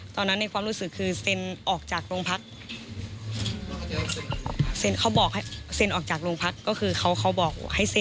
พอออกมาก็เสร็จศัพท์ก็ไม่มี